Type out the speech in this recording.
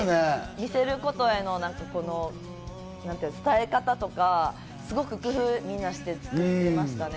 見せることへの伝え方とかすごく工夫みんなしてましたね。